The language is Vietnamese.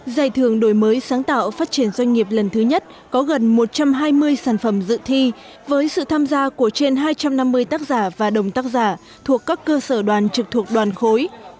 giải thưởng đổi mới sáng tạo phát triển doanh nghiệp lần thứ nhất có gần một trăm hai mươi sản phẩm dự thi với sự tham gia của trên hai trăm năm mươi tác giả và đồng tác giả thuộc các cơ sở đoàn trực thuộc đoàn khối